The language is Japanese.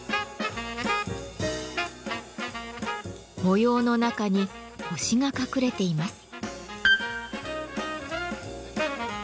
模様の中に「星」が隠れています。